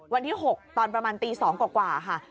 วันที่๖ตอนประมาณตี๒กว่าค่ะ